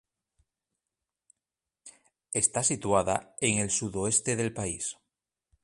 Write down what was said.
Está situada en el sudoeste del país.